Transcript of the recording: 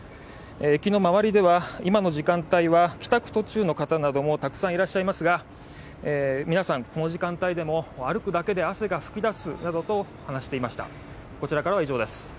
駅の周りでは今の時間帯は帰宅途中の方などもたくさんいますが皆さん、この時間帯でも歩くだけで汗が噴き出すなどと話していました。